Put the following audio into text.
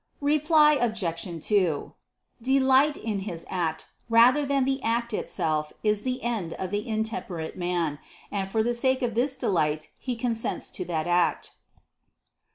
Reply Obj. 2: Delight in his act, rather than the act itself, is the end of the intemperate man, and for sake of this delight he consents to that act.